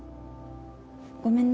ごめんね。